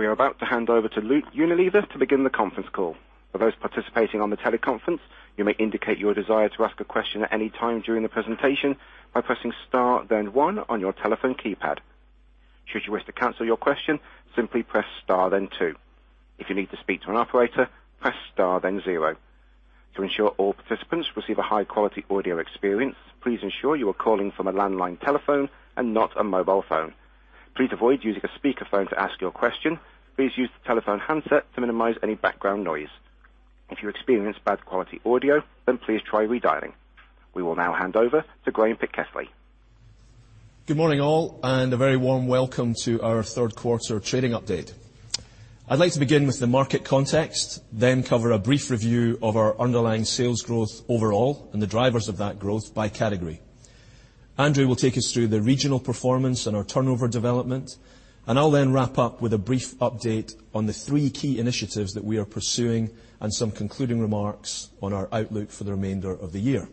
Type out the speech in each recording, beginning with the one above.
We are about to hand over to Unilever to begin the conference call. For those participating on the teleconference, you may indicate your desire to ask a question at any time during the presentation by pressing star then one on your telephone keypad. Should you wish to cancel your question, simply press star then two. If you need to speak to an operator, press star then zero. To ensure all participants receive a high-quality audio experience, please ensure you are calling from a landline telephone and not a mobile phone. Please avoid using a speakerphone to ask your question. Please use the telephone handset to minimize any background noise. If you experience bad quality audio, then please try redialing. We will now hand over to Graeme Pitkethly. Good morning, all, and a very warm welcome to our third quarter trading update. I'd like to begin with the market context, then cover a brief review of our underlying sales growth overall and the drivers of that growth by category. Andrew will take us through the regional performance and our turnover development, and I'll then wrap up with a brief update on the three key initiatives that we are pursuing and some concluding remarks on our outlook for the remainder of the year.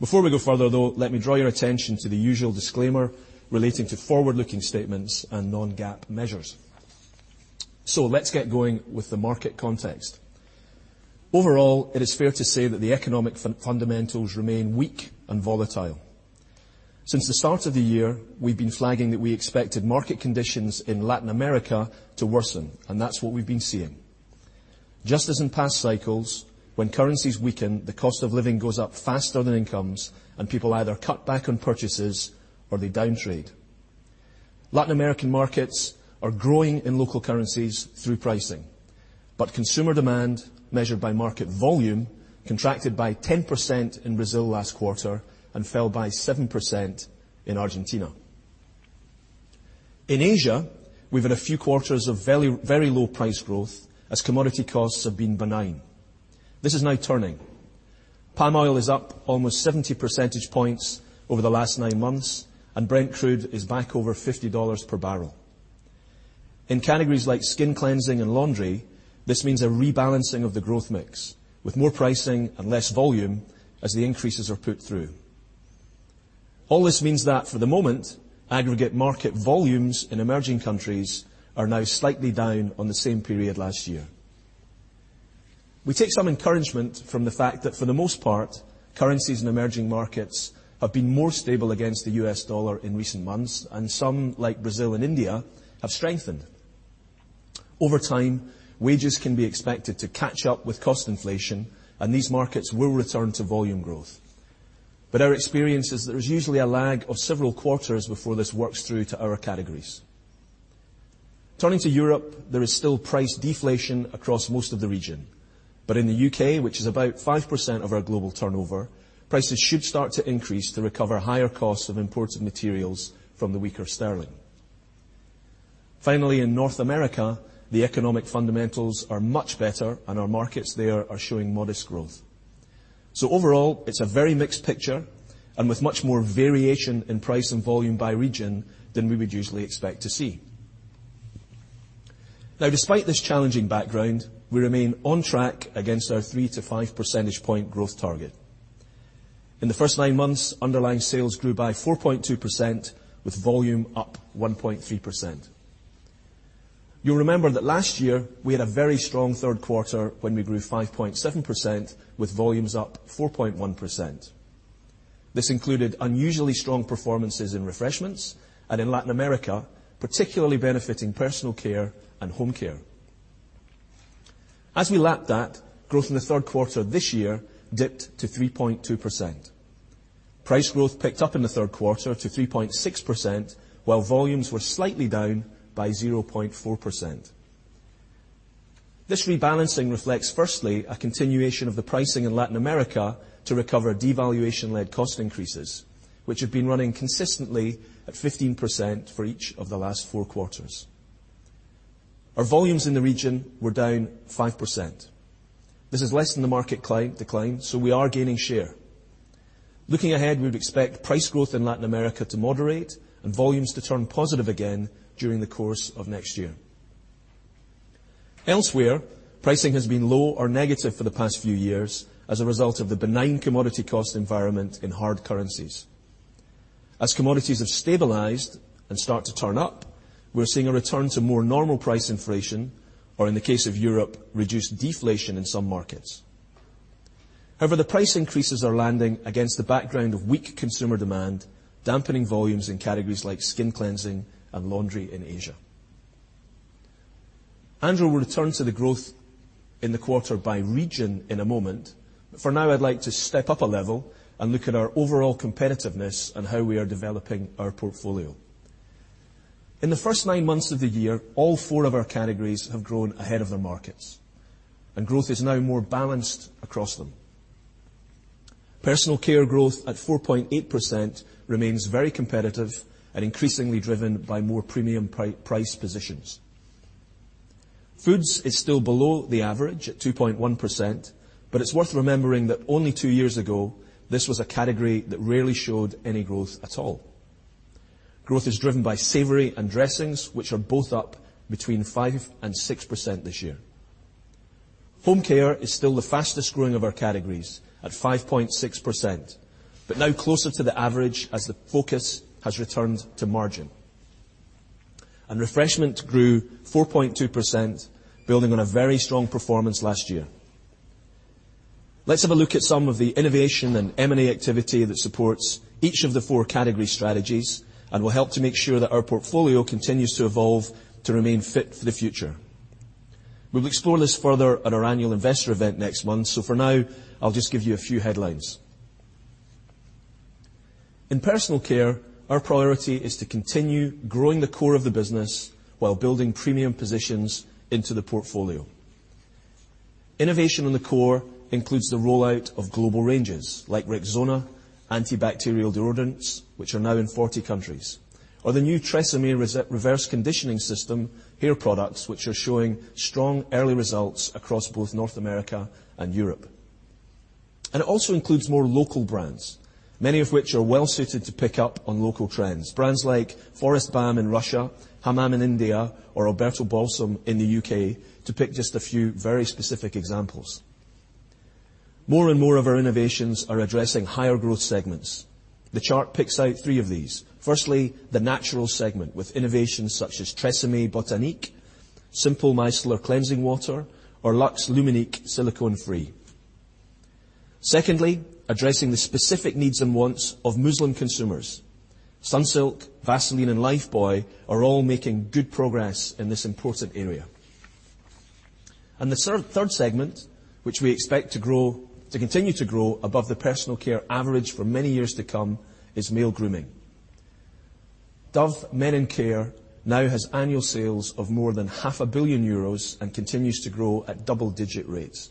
Before we go further, though, let me draw your attention to the usual disclaimer relating to forward-looking statements and non-GAAP measures. Let's get going with the market context. Overall, it is fair to say that the economic fundamentals remain weak and volatile. Since the start of the year, we've been flagging that we expected market conditions in Latin America to worsen, and that's what we've been seeing. Just as in past cycles, when currencies weaken, the cost of living goes up faster than incomes, and people either cut back on purchases or they downtrade. Latin American markets are growing in local currencies through pricing. Consumer demand measured by market volume contracted by 10% in Brazil last quarter and fell by 7% in Argentina. In Asia, we've had a few quarters of very low price growth as commodity costs have been benign. This is now turning. Palm oil is up almost 70 percentage points over the last nine months, and Brent Crude is back over $50 per barrel. In categories like skin cleansing and laundry, this means a rebalancing of the growth mix, with more pricing and less volume as the increases are put through. All this means that for the moment, aggregate market volumes in emerging countries are now slightly down on the same period last year. We take some encouragement from the fact that for the most part, currencies in emerging markets have been more stable against the U.S. dollar in recent months, and some, like Brazil and India, have strengthened. Over time, wages can be expected to catch up with cost inflation, and these markets will return to volume growth. Our experience is there is usually a lag of several quarters before this works through to our categories. Turning to Europe, there is still price deflation across most of the region. In the U.K., which is about 5% of our global turnover, prices should start to increase to recover higher costs of imported materials from the weaker sterling. Finally, in North America, the economic fundamentals are much better, and our markets there are showing modest growth. Overall, it's a very mixed picture and with much more variation in price and volume by region than we would usually expect to see. Despite this challenging background, we remain on track against our 3 to 5 percentage point growth target. In the first nine months, underlying sales grew by 4.2%, with volume up 1.3%. You'll remember that last year we had a very strong third quarter when we grew 5.7%, with volumes up 4.1%. This included unusually strong performances in refreshments and in Latin America, particularly benefiting personal care and home care. As we lap that, growth in the third quarter this year dipped to 3.2%. Price growth picked up in the third quarter to 3.6%, while volumes were slightly down by 0.4%. This rebalancing reflects, firstly, a continuation of the pricing in Latin America to recover devaluation-led cost increases, which have been running consistently at 15% for each of the last four quarters. Our volumes in the region were down 5%. This is less than the market decline, so we are gaining share. Looking ahead, we would expect price growth in Latin America to moderate and volumes to turn positive again during the course of next year. Elsewhere, pricing has been low or negative for the past few years as a result of the benign commodity cost environment in hard currencies. As commodities have stabilized and start to turn up, we're seeing a return to more normal price inflation, or in the case of Europe, reduced deflation in some markets. However, the price increases are landing against the background of weak consumer demand, dampening volumes in categories like skin cleansing and laundry in Asia. Andrew will return to the growth in the quarter by region in a moment. For now, I'd like to step up a level and look at our overall competitiveness and how we are developing our portfolio. In the first nine months of the year, all four of our categories have grown ahead of their markets, and growth is now more balanced across them. Personal care growth at 4.8% remains very competitive and increasingly driven by more premium price positions. Foods is still below the average at 2.1%, it's worth remembering that only two years ago, this was a category that rarely showed any growth at all. Growth is driven by savory and dressings, which are both up between 5 and 6% this year. Home care is still the fastest growing of our categories at 5.6%, but now closer to the average as the focus has returned to margin. Refreshment grew 4.2%, building on a very strong performance last year. Let's have a look at some of the innovation and M&A activity that supports each of the four category strategies and will help to make sure that our portfolio continues to evolve to remain fit for the future. We will explore this further at our annual investor event next month, so for now, I'll just give you a few headlines. In personal care, our priority is to continue growing the core of the business while building premium positions into the portfolio. Innovation on the core includes the rollout of global ranges like Rexona antibacterial deodorants, which are now in 40 countries, or the new TRESemmé Reverse Conditioning System hair products, which are showing strong early results across both North America and Europe. It also includes more local brands, many of which are well-suited to pick up on local trends. Brands like Forest Balsam in Russia, Hamam in India, or Alberto Balsam in the U.K., to pick just a few very specific examples. More and more of our innovations are addressing higher growth segments. The chart picks out three of these. Firstly, the natural segment with innovations such as TRESemmé Botanique, Simple Micellar Cleansing Water, or LUX Luminique Silicone-Free. Secondly, addressing the specific needs and wants of Muslim consumers. Sunsilk, Vaseline, and Lifebuoy are all making good progress in this important area. The third segment, which we expect to continue to grow above the personal care average for many years to come, is male grooming. Dove Men+Care now has annual sales of more than half a billion euros and continues to grow at double-digit rates.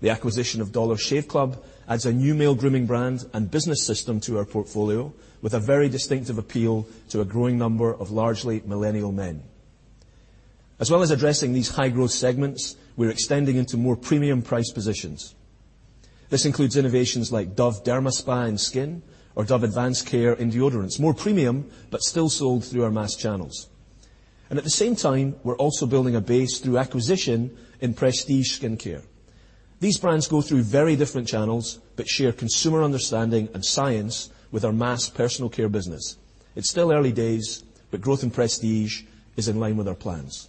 The acquisition of Dollar Shave Club adds a new male grooming brand and business system to our portfolio, with a very distinctive appeal to a growing number of largely millennial men. As well as addressing these high-growth segments, we're extending into more premium price positions. This includes innovations like Dove DermaSpa in skin or Dove Advanced Care in deodorants, more premium, but still sold through our mass channels. At the same time, we're also building a base through acquisition in prestige skincare. These brands go through very different channels but share consumer understanding and science with our mass personal care business. It's still early days, but growth in prestige is in line with our plans.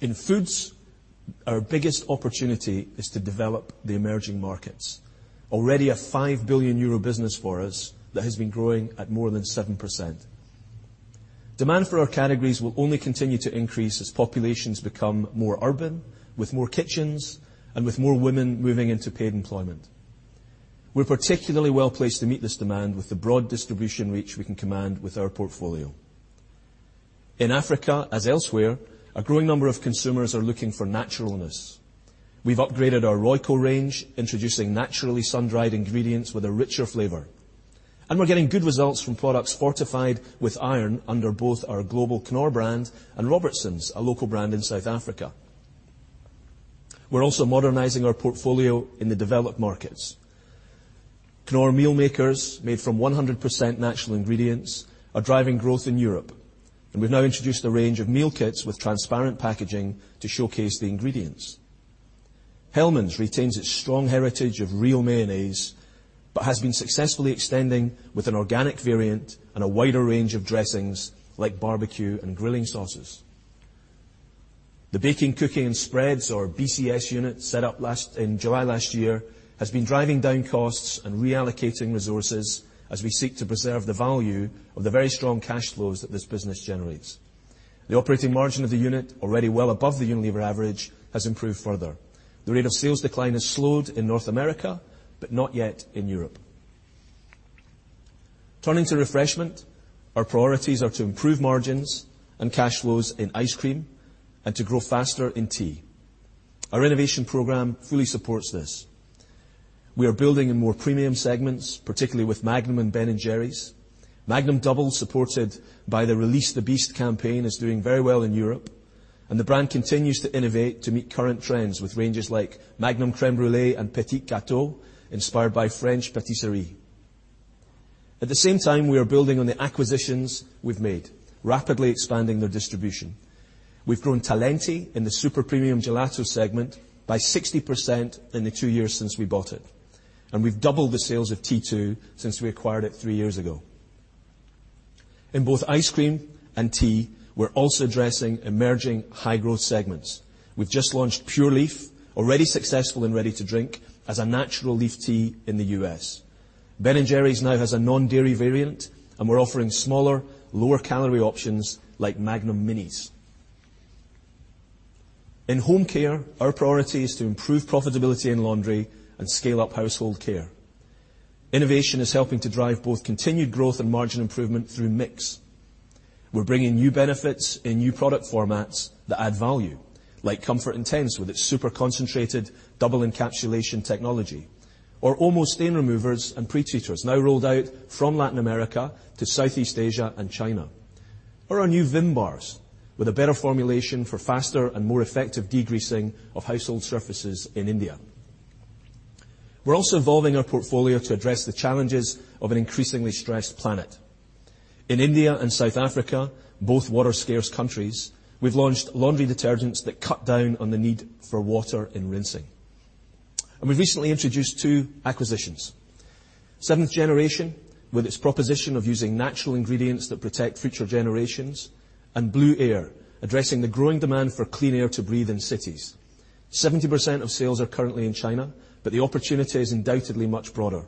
In foods, our biggest opportunity is to develop the emerging markets. Already a 5 billion euro business for us that has been growing at more than 7%. Demand for our categories will only continue to increase as populations become more urban, with more kitchens, and with more women moving into paid employment. We're particularly well-placed to meet this demand with the broad distribution reach we can command with our portfolio. In Africa, as elsewhere, a growing number of consumers are looking for naturalness. We've upgraded our Royco range, introducing naturally sun-dried ingredients with a richer flavor, and we're getting good results from products fortified with iron under both our global Knorr brand and Robertsons, a local brand in South Africa. We're also modernizing our portfolio in the developed markets. Knorr Meal Makers, made from 100% natural ingredients, are driving growth in Europe, and we've now introduced a range of meal kits with transparent packaging to showcase the ingredients. Hellmann's retains its strong heritage of real mayonnaise, but has been successfully extending with an organic variant and a wider range of dressings like barbecue and grilling sauces. The baking, cooking, and spreads, or BCS unit, set up in July last year, has been driving down costs and reallocating resources as we seek to preserve the value of the very strong cash flows that this business generates. The operating margin of the unit, already well above the Unilever average, has improved further. The rate of sales decline has slowed in North America, but not yet in Europe. Turning to refreshment, our priorities are to improve margins and cash flows in ice cream and to grow faster in tea. Our innovation program fully supports this. We are building in more premium segments, particularly with Magnum and Ben & Jerry's. Magnum Double, supported by the Release the Beast campaign, is doing very well in Europe, and the brand continues to innovate to meet current trends with ranges like Magnum Crème Brûlée and Petit Gâteaux, inspired by French patisserie. At the same time, we are building on the acquisitions we've made, rapidly expanding their distribution. We've grown Talenti in the super premium gelato segment by 60% in the two years since we bought it, and we've doubled the sales of T2 since we acquired it three years ago. In both ice cream and tea, we're also addressing emerging high-growth segments. We've just launched Pure Leaf, already successful in ready to drink, as a natural leaf tea in the U.S. Ben & Jerry's now has a non-dairy variant, and we're offering smaller, lower-calorie options like Magnum Minis. In home care, our priority is to improve profitability in laundry and scale up household care. Innovation is helping to drive both continued growth and margin improvement through mix. We're bringing new benefits in new product formats that add value, like Comfort Intense with its super concentrated double encapsulation technology, or Omo stain removers and pre-treaters, now rolled out from Latin America to Southeast Asia and China. Our new Vim bars, with a better formulation for faster and more effective degreasing of household surfaces in India. We're also evolving our portfolio to address the challenges of an increasingly stressed planet. In India and South Africa, both water-scarce countries, we've launched laundry detergents that cut down on the need for water in rinsing. We recently introduced two acquisitions. Seventh Generation, with its proposition of using natural ingredients that protect future generations, and Blueair, addressing the growing demand for clean air to breathe in cities. 70% of sales are currently in China, but the opportunity is undoubtedly much broader.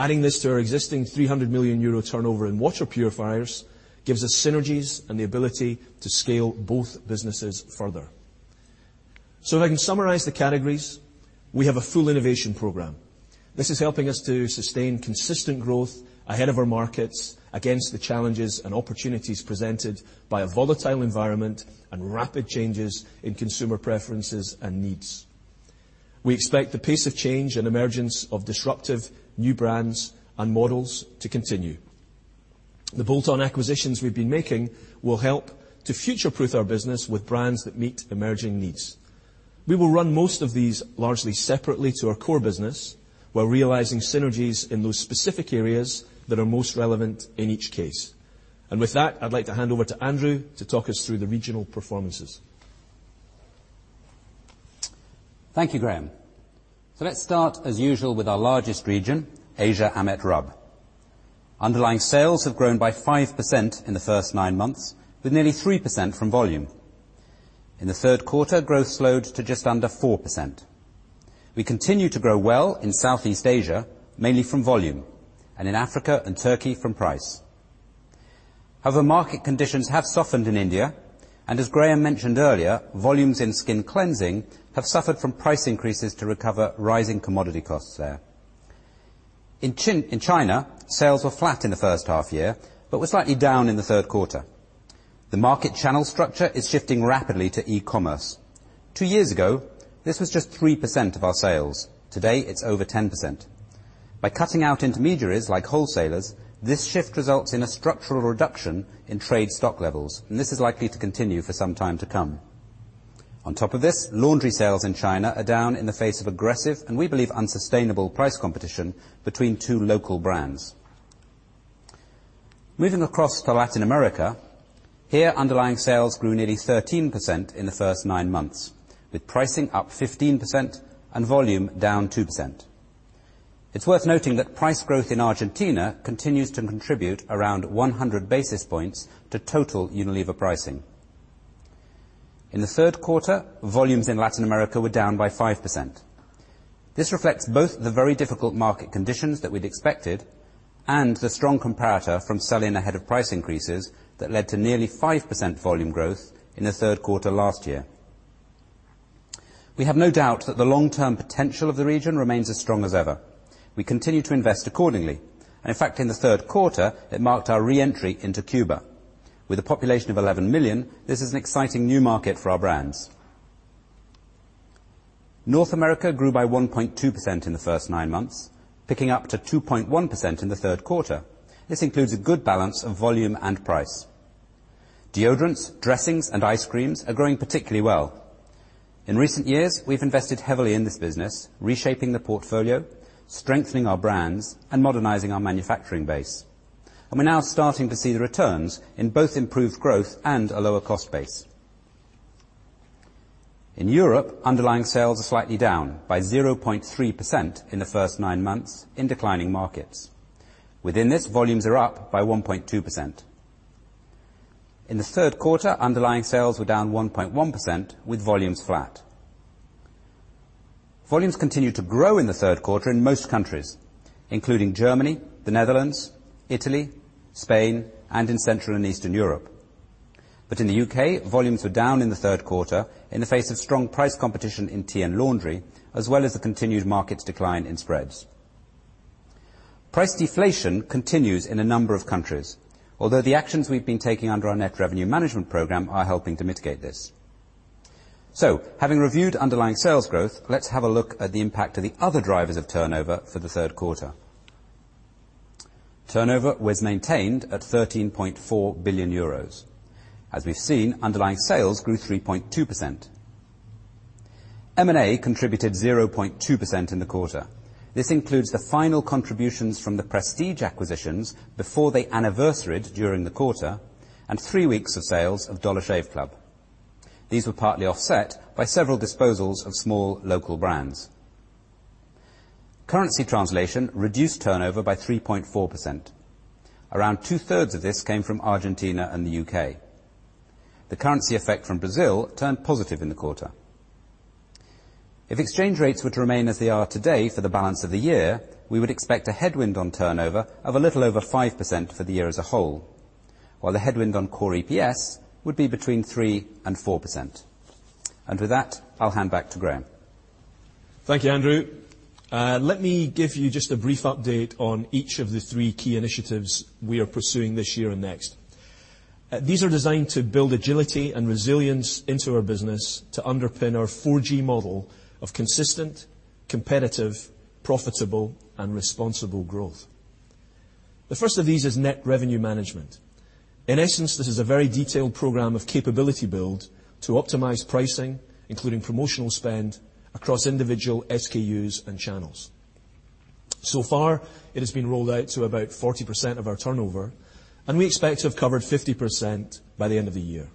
Adding this to our existing 300 million euro turnover in water purifiers gives us synergies and the ability to scale both businesses further. If I can summarize the categories, we have a full innovation program. This is helping us to sustain consistent growth ahead of our markets against the challenges and opportunities presented by a volatile environment and rapid changes in consumer preferences and needs. We expect the pace of change and emergence of disruptive new brands and models to continue. The bolt-on acquisitions we've been making will help to future-proof our business with brands that meet emerging needs. We will run most of these largely separately to our core business while realizing synergies in those specific areas that are most relevant in each case. With that, I'd like to hand over to Andrew to talk us through the regional performances. Thank you, Graeme. Let's start, as usual, with our largest region, Asia-AMET-RUB. Underlying sales have grown by 5% in the first nine months, with nearly 3% from volume. In the third quarter, growth slowed to just under 4%. We continue to grow well in Southeast Asia, mainly from volume, and in Africa and Turkey from price. Other market conditions have softened in India, and as Graeme mentioned earlier, volumes in skin cleansing have suffered from price increases to recover rising commodity costs there. In China, sales were flat in the first half-year but were slightly down in the third quarter. The market channel structure is shifting rapidly to e-commerce. Two years ago, this was just 3% of our sales. Today, it's over 10%. By cutting out intermediaries like wholesalers, this shift results in a structural reduction in trade stock levels, this is likely to continue for some time to come. On top of this, laundry sales in China are down in the face of aggressive, and we believe unsustainable, price competition between two local brands. Moving across to Latin America. Here, underlying sales grew nearly 13% in the first nine months, with pricing up 15% and volume down 2%. It's worth noting that price growth in Argentina continues to contribute around 100 basis points to total Unilever pricing. In the third quarter, volumes in Latin America were down by 5%. This reflects both the very difficult market conditions that we'd expected and the strong comparator from selling ahead of price increases that led to nearly 5% volume growth in the third quarter last year. We have no doubt that the long-term potential of the region remains as strong as ever. We continue to invest accordingly, in fact, in the third quarter, it marked our re-entry into Cuba. With a population of 11 million, this is an exciting new market for our brands. North America grew by 1.2% in the first nine months, picking up to 2.1% in the third quarter. This includes a good balance of volume and price. Deodorants, dressings, and ice creams are growing particularly well. In recent years, we've invested heavily in this business, reshaping the portfolio, strengthening our brands, and modernizing our manufacturing base. We're now starting to see the returns in both improved growth and a lower cost base. In Europe, underlying sales are slightly down by 0.3% in the first nine months in declining markets. Within this, volumes are up by 1.2%. In the third quarter, underlying sales were down 1.1% with volumes flat. Volumes continued to grow in the third quarter in most countries, including Germany, the Netherlands, Italy, Spain, and in Central and Eastern Europe. In the U.K., volumes were down in the third quarter in the face of strong price competition in tea and laundry, as well as the continued market decline in spreads. Price deflation continues in a number of countries, although the actions we've been taking under our net revenue management program are helping to mitigate this. Having reviewed underlying sales growth, let's have a look at the impact of the other drivers of turnover for the third quarter. Turnover was maintained at 13.4 billion euros. As we've seen, underlying sales grew 3.2%. M&A contributed 0.2% in the quarter. This includes the final contributions from the prestige acquisitions before they anniversaried during the quarter and three weeks of sales of Dollar Shave Club. These were partly offset by several disposals of small local brands. Currency translation reduced turnover by 3.4%. Around two-thirds of this came from Argentina and the U.K. The currency effect from Brazil turned positive in the quarter. If exchange rates were to remain as they are today for the balance of the year, we would expect a headwind on turnover of a little over 5% for the year as a whole, while the headwind on core EPS would be between 3% and 4%. With that, I'll hand back to Graeme. Thank you, Andrew. Let me give you just a brief update on each of the three key initiatives we are pursuing this year and next. These are designed to build agility and resilience into our business to underpin our 4G model of consistent, competitive, profitable, and responsible growth. The first of these is net revenue management. In essence, this is a very detailed program of capability build to optimize pricing, including promotional spend across individual SKUs and channels. So far, it has been rolled out to about 40% of our turnover, and we expect to have covered 50% by the end of the year.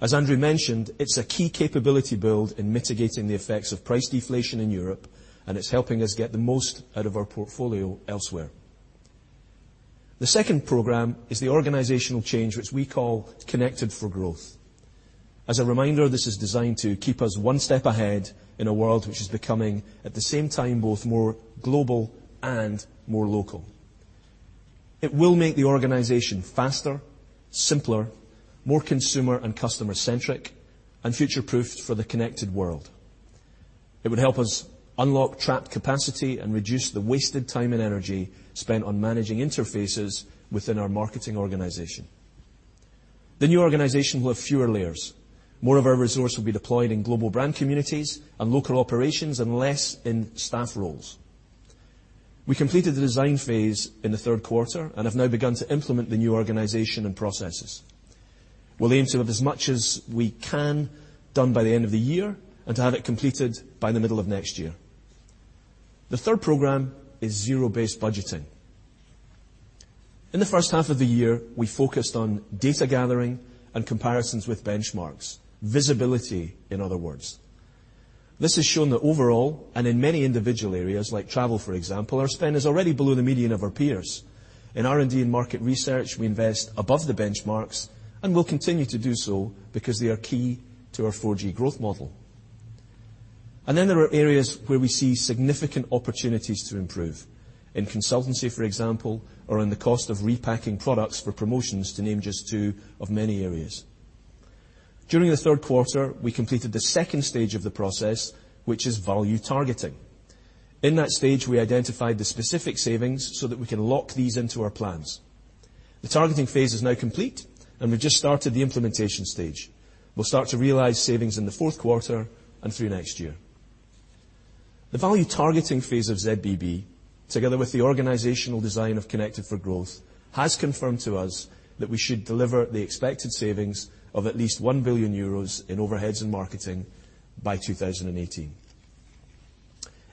As Andrew mentioned, it's a key capability build in mitigating the effects of price deflation in Europe, and it's helping us get the most out of our portfolio elsewhere. The second program is the organizational change, which we call Connected 4 Growth. As a reminder, this is designed to keep us one step ahead in a world which is becoming, at the same time, both more global and more local. It will make the organization faster, simpler, more consumer and customer centric, and future-proofed for the connected world. It would help us unlock trapped capacity and reduce the wasted time and energy spent on managing interfaces within our marketing organization. The new organization will have fewer layers. More of our resource will be deployed in global brand communities and local operations, and less in staff roles. We completed the design phase in the third quarter and have now begun to implement the new organization and processes. We'll aim to have as much as we can done by the end of the year and to have it completed by the middle of next year. The third program is zero-based budgeting. In the first half of the year, we focused on data gathering and comparisons with benchmarks, visibility, in other words. This has shown that overall, and in many individual areas like travel, for example, our spend is already below the median of our peers. In R&D and market research, we invest above the benchmarks, and will continue to do so because they are key to our 4G growth model. Then there are areas where we see significant opportunities to improve. In consultancy, for example, or in the cost of repacking products for promotions, to name just two of many areas. During the third quarter, we completed the second stage of the process, which is value targeting. In that stage, we identified the specific savings so that we can lock these into our plans. The targeting phase is now complete, and we've just started the implementation stage. We'll start to realize savings in the fourth quarter and through next year. The value targeting phase of ZBB, together with the organizational design of Connected 4 Growth, has confirmed to us that we should deliver the expected savings of at least 1 billion euros in overheads and marketing by 2018.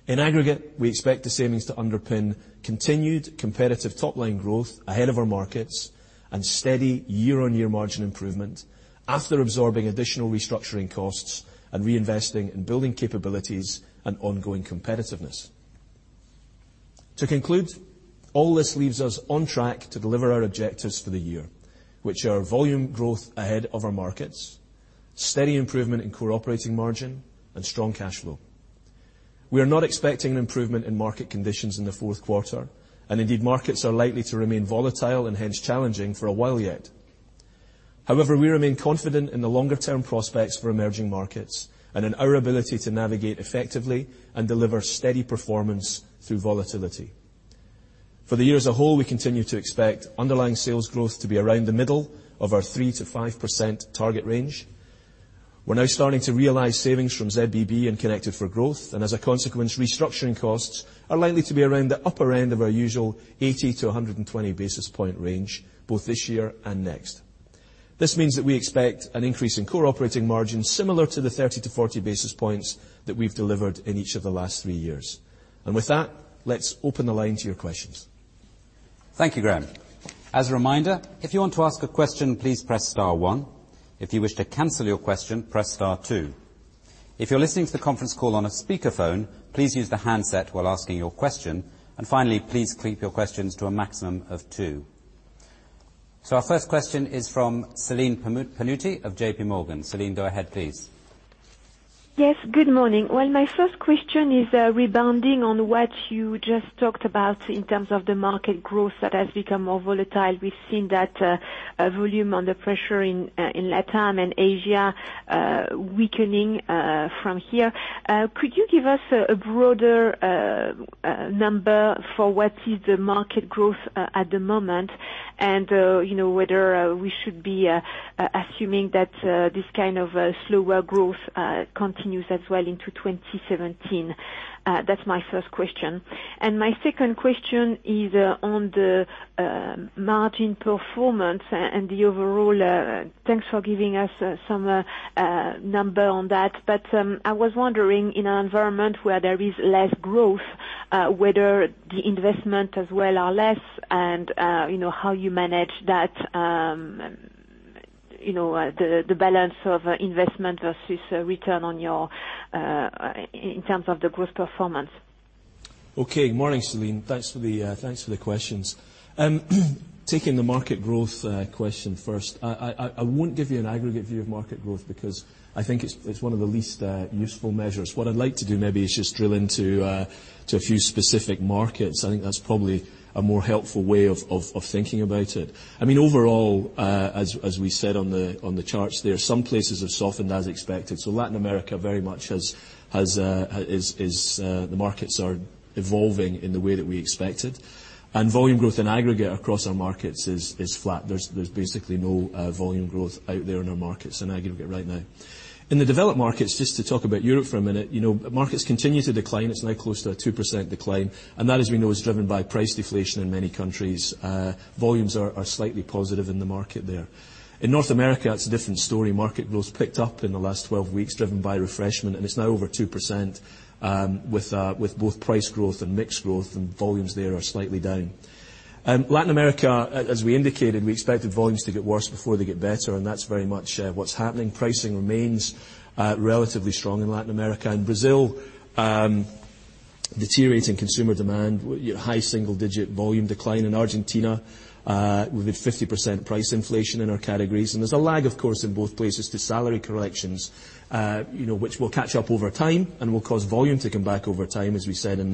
In aggregate, we expect the savings to underpin continued competitive top-line growth ahead of our markets and steady year-on-year margin improvement after absorbing additional restructuring costs and reinvesting in building capabilities and ongoing competitiveness. To conclude, all this leaves us on track to deliver our objectives for the year, which are volume growth ahead of our markets, steady improvement in core operating margin, and strong cash flow. We are not expecting an improvement in market conditions in the fourth quarter, and indeed, markets are likely to remain volatile and hence challenging for a while yet. However, we remain confident in the longer-term prospects for emerging markets and in our ability to navigate effectively and deliver steady performance through volatility. For the year as a whole, we continue to expect underlying sales growth to be around the middle of our 3%-5% target range. We're now starting to realize savings from ZBB and Connected 4 Growth, and as a consequence, restructuring costs are likely to be around the upper end of our usual 80-120 basis point range, both this year and next. This means that we expect an increase in core operating margin similar to the 30-40 basis points that we've delivered in each of the last three years. With that, let's open the line to your questions. Thank you, Graeme. As a reminder, if you want to ask a question, please press star one. If you wish to cancel your question, press star two. If you're listening to the conference call on a speakerphone, please use the handset while asking your question, and finally, please keep your questions to a maximum of two. Our first question is from Celine Pannuti of JPMorgan. Celine, go ahead, please. Yes, good morning. Well, my first question is rebounding on what you just talked about in terms of the market growth that has become more volatile. We've seen that volume under pressure in LATAM and Asia weakening from here. Could you give us a broader number for what is the market growth at the moment and whether we should be assuming that this kind of slower growth continues as well into 2017? That's my first question. My second question is on the margin performance and the overall. Thanks for giving us some number on that. I was wondering, in an environment where there is less growth, whether the investment as well are less, and how you manage that, the balance of investment versus return in terms of the growth performance. Morning, Celine. Thanks for the questions. Taking the market growth question first, I won't give you an aggregate view of market growth because I think it's one of the least useful measures. What I'd like to do is drill into a few specific markets. I think that's probably a more helpful way of thinking about it. Overall, as we said on the charts there, some places have softened as expected. Latin America very much, the markets are evolving in the way that we expected. Volume growth in aggregate across our markets is flat. There's basically no volume growth out there in our markets in aggregate right now. In the developed markets, just to talk about Europe for a minute, markets continue to decline. It's now close to a 2% decline, and that, as we know, is driven by price deflation in many countries. Volumes are slightly positive in the market there. In North America, it's a different story. Market growth picked up in the last 12 weeks, driven by refreshment, and it's now over 2% with both price growth and mixed growth, and volumes there are slightly down. Latin America, as we indicated, we expected volumes to get worse before they get better, and that's very much what's happening. Pricing remains relatively strong in Latin America. Brazil Deteriorating consumer demand, high single-digit volume decline in Argentina with a 50% price inflation in our categories. There's a lag, of course, in both places to salary corrections which will catch up over time and will cause volume to come back over time, as we said in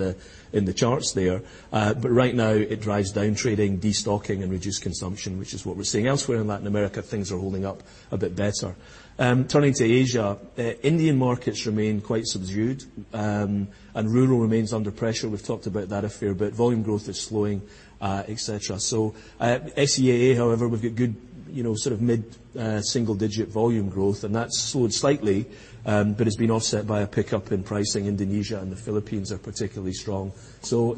the charts there. Right now it drives down trading, destocking and reduced consumption, which is what we're seeing. Elsewhere in Latin America, things are holding up a bit better. Turning to Asia, Indian markets remain quite subdued, and rural remains under pressure. We've talked about that a fair bit. Volume growth is slowing, et cetera. SEA, however, we've got good mid-single digit volume growth, and that slowed slightly, but it's been offset by a pickup in pricing. Indonesia and the Philippines are particularly strong. Our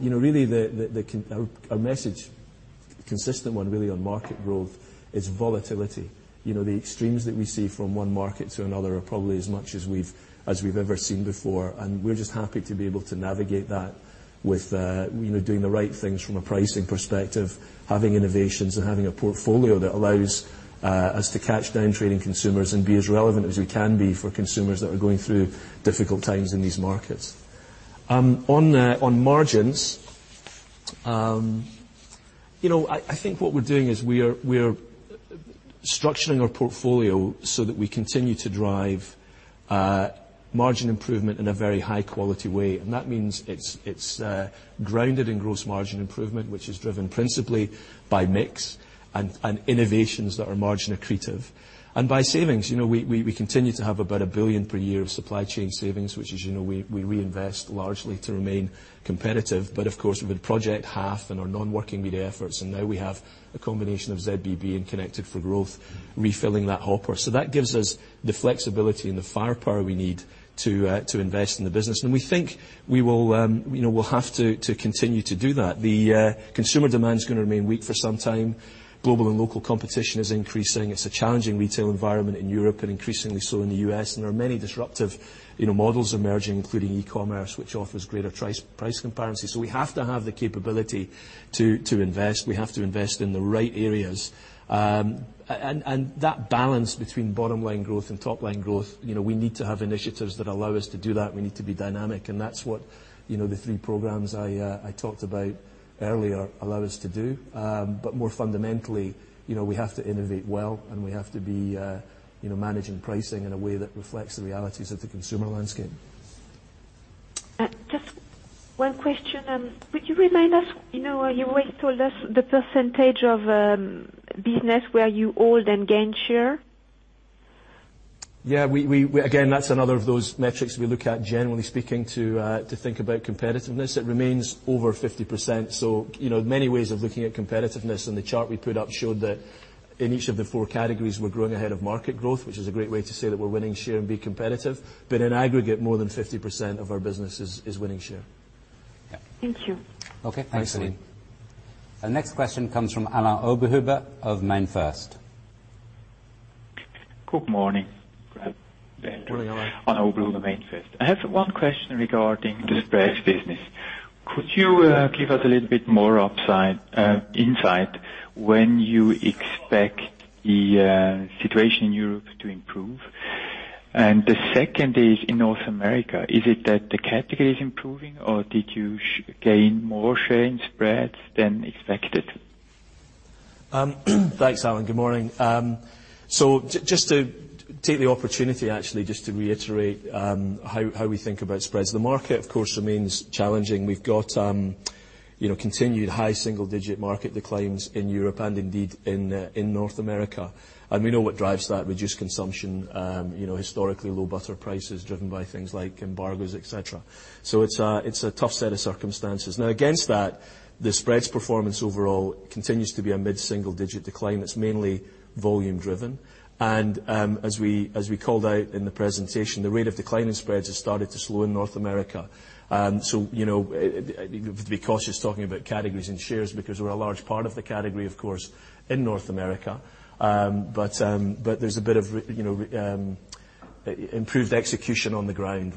message, consistent one really on market growth is volatility. The extremes that we see from one market to another are probably as much as we've ever seen before, and we're just happy to be able to navigate that with doing the right things from a pricing perspective, having innovations and having a portfolio that allows us to catch down trading consumers and be as relevant as we can be for consumers that are going through difficult times in these markets. On margins, what we're doing is we are structuring our portfolio so that we continue to drive margin improvement in a very high-quality way, and that means it's grounded in gross margin improvement, which is driven principally by mix and innovations that are margin accretive. By savings, we continue to have about 1 billion per year of supply chain savings, which as you know, we reinvest largely to remain competitive. With Project Half and our non-working media efforts, and now we have a combination of ZBB and Connected 4 Growth refilling that hopper. That gives us the flexibility and the firepower we need to invest in the business, and we think we'll have to continue to do that. The consumer demand's going to remain weak for some time. Global and local competition is increasing. It's a challenging retail environment in Europe and increasingly so in the U.S., there are many disruptive models emerging, including e-commerce, which offers greater price comparison. We have to have the capability to invest. We have to invest in the right areas. That balance between bottom-line growth and top-line growth, we need to have initiatives that allow us to do that. We need to be dynamic, that's what the three programs I talked about earlier allow us to do. More fundamentally, we have to innovate well, we have to be managing pricing in a way that reflects the realities of the consumer landscape. Just one question. Would you remind us, you always told us the percentage of business where you hold and gain share? Yeah. Again, that's another of those metrics we look at, generally speaking, to think about competitiveness. It remains over 50%. Many ways of looking at competitiveness, the chart we put up showed that in each of the four categories, we're growing ahead of market growth, which is a great way to say that we're winning share and be competitive. In aggregate, more than 50% of our business is winning share. Yeah. Thank you. Okay, thanks Celine. Our next question comes from Alain Oberhuber of MainFirst. Good morning, Graeme, Céline. Good morning, Alain. Alain Oberhuber, MainFirst. I have one question regarding the spreads business. Could you give us a little bit more insight when you expect the situation in Europe to improve? The second is in North America, is it that the category is improving or did you gain more share in spreads than expected? Thanks, Alain. Good morning. Just to take the opportunity, actually, just to reiterate how we think about spreads. The market, of course, remains challenging. We've got continued high single-digit market declines in Europe and indeed in North America. We know what drives that, reduced consumption, historically low butter prices driven by things like embargoes, et cetera. It's a tough set of circumstances. Now, against that, the spreads performance overall continues to be a mid-single digit decline. It's mainly volume driven. As we called out in the presentation, the rate of decline in spreads has started to slow in North America. You have to be cautious talking about categories and shares because we're a large part of the category, of course, in North America. There's a bit of improved execution on the ground.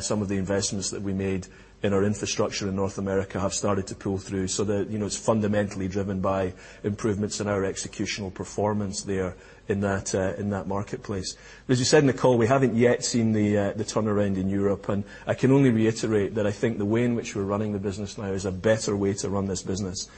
Some of the investments that we made in our infrastructure in North America have started to pull through that it's fundamentally driven by improvements in our executional performance there in that marketplace. As you said in the call, we haven't yet seen the turnaround in Europe, I can only reiterate that I think the way in which we're running the business now is a better way to run this business.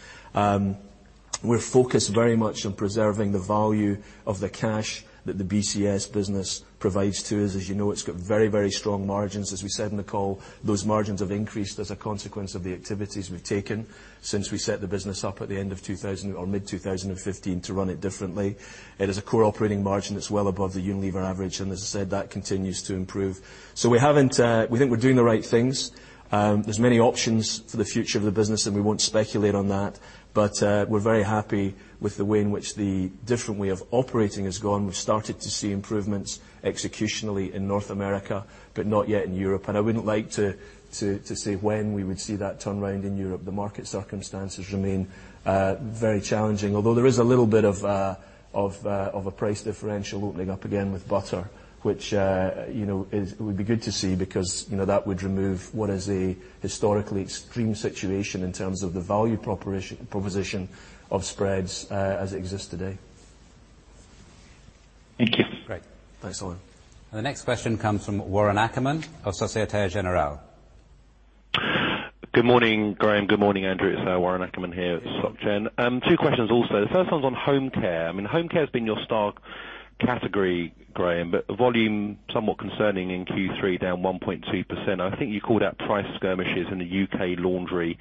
We're focused very much on preserving the value of the cash that the BCS business provides to us. As you know, it's got very strong margins. As we said in the call, those margins have increased as a consequence of the activities we've taken since we set the business up at the end of 2000 or mid-2015 to run it differently. It is a core operating margin that's well above the Unilever average, as I said, that continues to improve. We think we're doing the right things. There's many options for the future of the business, we won't speculate on that. We're very happy with the way in which the different way of operating has gone. We've started to see improvements executionally in North America, but not yet in Europe. I wouldn't like to say when we would see that turnaround in Europe. The market circumstances remain very challenging, although there is a little bit of a price differential opening up again with butter, which it would be good to see because that would remove what is a historically extreme situation in terms of the value proposition of spreads as it exists today. Thank you. Great. Thanks, Alain. The next question comes from Warren Ackerman of Société Générale. Good morning, Graeme. Good morning, Andrew. It's Warren Ackerman here at SocGen. Two questions also. The first one's on Home Care. I mean, Home Care has been your star category, Graeme, but volume somewhat concerning in Q3, down 1.2%. I think you called out price skirmishes in the U.K. laundry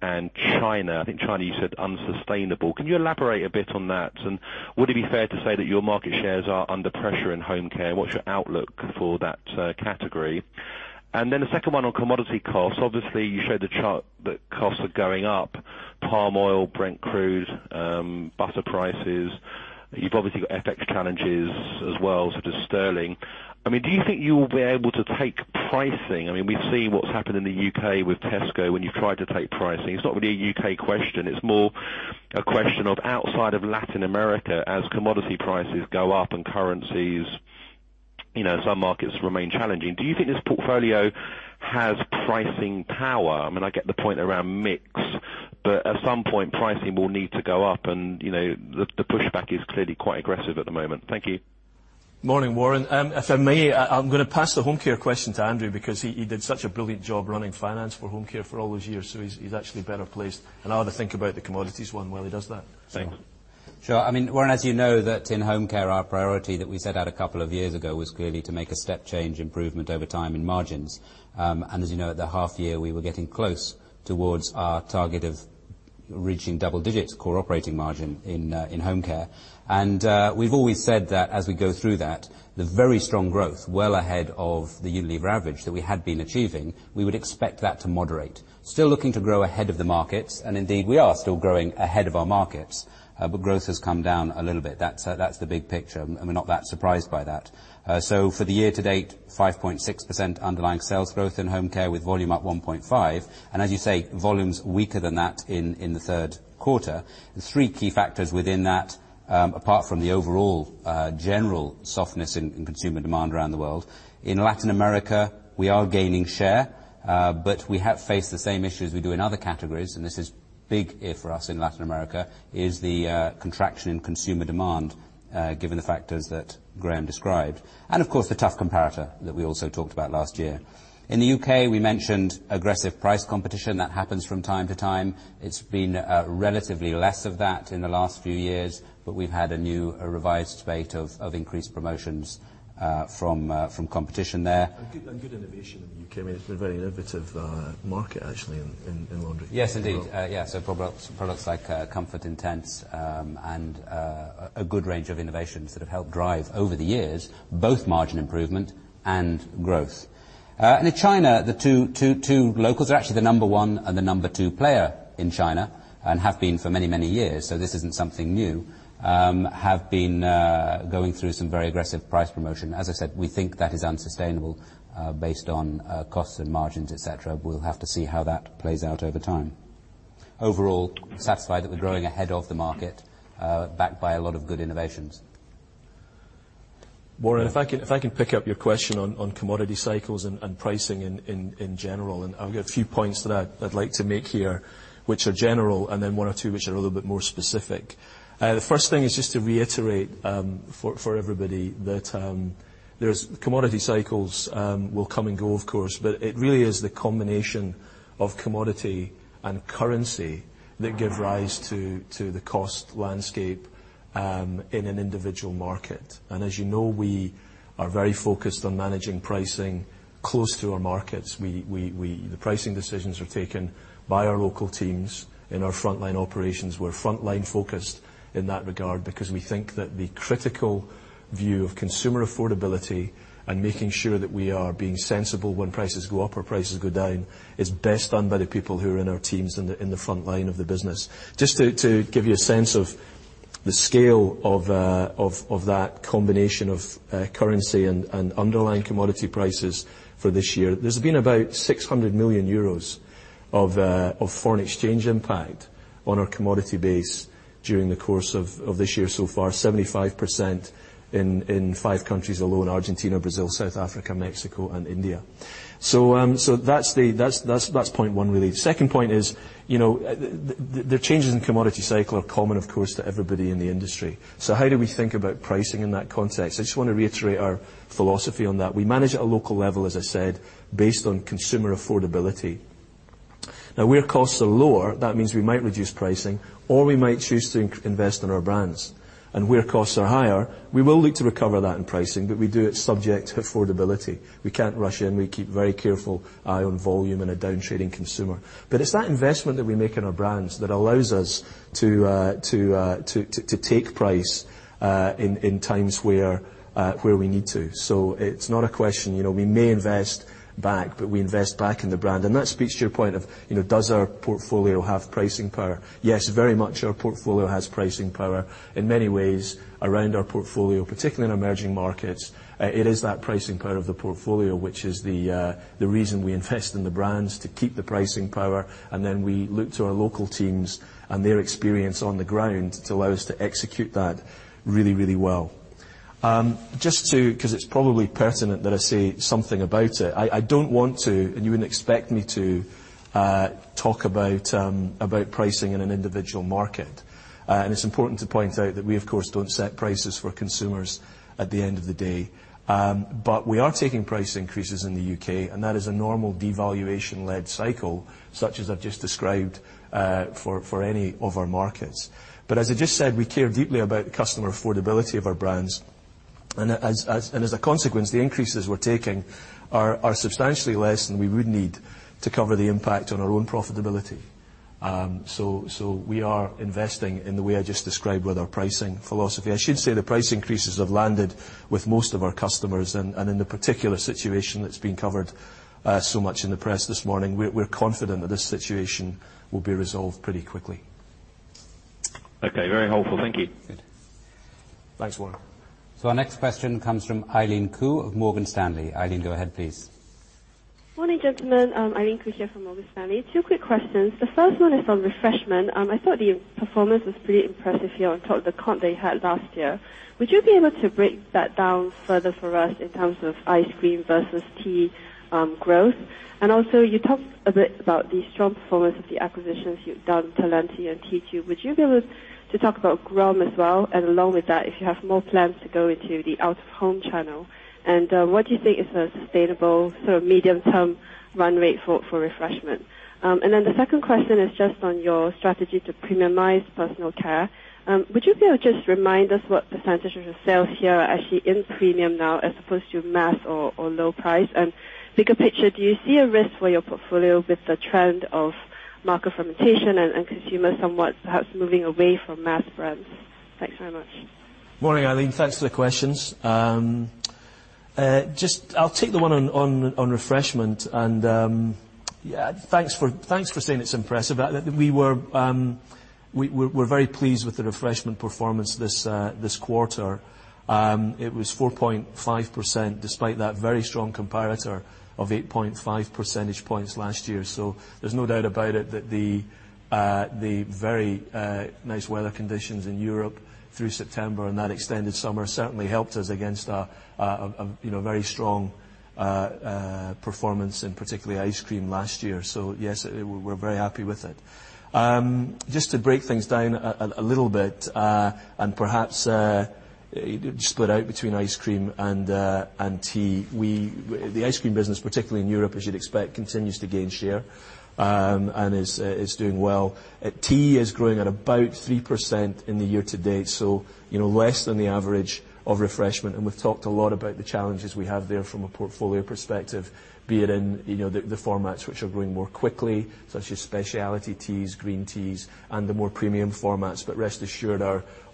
and China, I think China, you said unsustainable. Can you elaborate a bit on that? Would it be fair to say that your market shares are under pressure in Home Care? What's your outlook for that category? The second one on commodity costs. Obviously, you showed the chart that costs are going up, palm oil, Brent crude, butter prices. You've obviously got FX challenges as well, such as sterling. I mean, do you think you will be able to take pricing? I mean, we've seen what's happened in the U.K. with Tesco when you've tried to take pricing. It's not really a U.K. question, it's more a question of outside of Latin America as commodity prices go up and currencies, some markets remain challenging. Do you think this portfolio has pricing power? I mean, I get the point around mix, but at some point pricing will need to go up and the pushback is clearly quite aggressive at the moment. Thank you. Morning, Warren. If I may, I'm going to pass the Home Care question to Andrew because he did such a brilliant job running finance for Home Care for all those years, so he's actually better placed. I'll have a think about the commodities one while he does that. Thank you. Sure. I mean, Warren, as you know that in Home Care, our priority that we set out a couple of years ago was clearly to make a step change improvement over time in margins. As you know, at the half year, we were getting close towards our target of reaching double digits core operating margin in Home Care. We've always said that as we go through that, the very strong growth well ahead of the Unilever average that we had been achieving, we would expect that to moderate. Still looking to grow ahead of the markets, and indeed, we are still growing ahead of our markets. Growth has come down a little bit. That's the big picture, and we're not that surprised by that. For the year to date, 5.6% underlying sales growth in Home Care with volume up 1.5%. As you say, volumes weaker than that in the third quarter. There are three key factors within that, apart from the overall general softness in consumer demand around the world. In Latin America, we are gaining share, but we have faced the same issues we do in other categories, and this is big if for us in Latin America, is the contraction in consumer demand, given the factors that Graeme described. Of course, the tough comparator that we also talked about last year. In the U.K., we mentioned aggressive price competition that happens from time to time. It's been relatively less of that in the last few years, but we've had a new revised debate of increased promotions from competition there. Good innovation in the U.K. I mean, it's been a very innovative market actually in laundry. Yes, indeed. Products like Comfort Intense, a good range of innovations that have helped drive over the years both margin improvement and growth. In China, the two locals are actually the number one and the number two player in China and have been for many, many years, this isn't something new, have been going through some very aggressive price promotion. As I said, we think that is unsustainable based on costs and margins, et cetera. We'll have to see how that plays out over time. Overall, satisfied that we're growing ahead of the market, backed by a lot of good innovations. Warren, if I can pick up your question on commodity cycles and pricing in general, I've got a few points that I'd like to make here which are general, and then one or two which are a little bit more specific. The first thing is just to reiterate, for everybody that commodity cycles will come and go, of course, but it really is the combination of commodity and currency that give rise to the cost landscape in an individual market. As you know, we are very focused on managing pricing close to our markets. The pricing decisions are taken by our local teams in our frontline operations. We're frontline focused in that regard because we think that the critical view of consumer affordability and making sure that we are being sensible when prices go up or prices go down is best done by the people who are in our teams in the frontline of the business. To give you a sense of the scale of that combination of currency and underlying commodity prices for this year. There's been about 600 million euros of foreign exchange impact on our commodity base during the course of this year so far, 75% in five countries alone, Argentina, Brazil, South Africa, Mexico, and India. That's point one really. Second point is, the changes in commodity cycle are common, of course, to everybody in the industry. How do we think about pricing in that context? I just want to reiterate our philosophy on that. We manage at a local level, as I said, based on consumer affordability. Now, where costs are lower, that means we might reduce pricing or we might choose to invest in our brands. Where costs are higher, we will look to recover that in pricing, but we do it subject to affordability. We can't rush in. We keep very careful eye on volume and a down-trading consumer. It's that investment that we make in our brands that allows us to take price in times where we need to. It's not a question. We may invest back, but we invest back in the brand. That speaks to your point of does our portfolio have pricing power? Yes, very much our portfolio has pricing power. In many ways around our portfolio, particularly in emerging markets, it is that pricing power of the portfolio, which is the reason we invest in the brands to keep the pricing power, and then we look to our local teams and their experience on the ground to allow us to execute that really, really well. Because it's probably pertinent that I say something about it. I don't want to, and you wouldn't expect me to talk about pricing in an individual market. It's important to point out that we, of course, don't set prices for consumers at the end of the day. We are taking price increases in the U.K., and that is a normal devaluation-led cycle, such as I've just described for any of our markets. As I just said, we care deeply about the customer affordability of our brands, and as a consequence, the increases we're taking are substantially less than we would need to cover the impact on our own profitability. We are investing in the way I just described with our pricing philosophy. I should say the price increases have landed with most of our customers, and in the particular situation that's been covered so much in the press this morning, we're confident that this situation will be resolved pretty quickly. Okay. Very helpful. Thank you. Good. Thanks, Warren. Our next question comes from Eileen Khoo of Morgan Stanley. Eileen, go ahead, please. Morning, gentlemen. Eileen Khoo here from Morgan Stanley. Two quick questions. The first one is on Refreshment. I thought the performance was pretty impressive here on top of the comp that you had last year. Would you be able to break that down further for us in terms of ice cream versus tea growth? You talked a bit about the strong performance of the acquisitions you've done, Talenti and T2. Would you be able to talk about Grom as well? Along with that, if you have more plans to go into the out-of-home channel. What do you think is a sustainable sort of medium-term run rate for Refreshment? The second question is just on your strategy to premiumize Personal Care. Would you be able to just remind us what percentage of the sales here are actually in premium now as opposed to mass or low price? Bigger picture, do you see a risk for your portfolio with the trend of market fragmentation and consumers somewhat perhaps moving away from mass brands? Thanks very much. Morning, Eileen. Thanks for the questions. I'll take the one on Refreshment and yeah, thanks for saying it's impressive. We're very pleased with the Refreshment performance this quarter. It was 4.5%, despite that very strong comparator of 8.5 percentage points last year. There's no doubt about it that the very nice weather conditions in Europe through September and that extended summer certainly helped us against a very strong performance in particularly ice cream last year. Yes, we're very happy with it. Just to break things down a little bit and perhaps split out between ice cream and tea. The ice cream business, particularly in Europe, as you'd expect, continues to gain share and is doing well. Tea is growing at about 3% in the year to date, less than the average of Refreshment, and we've talked a lot about the challenges we have there from a portfolio perspective, be it in the formats which are growing more quickly, such as specialty teas, green teas, and the more premium formats. Rest assured,